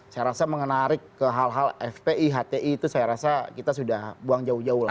saya rasa menarik ke hal hal fpi hti itu saya rasa kita sudah buang jauh jauh lah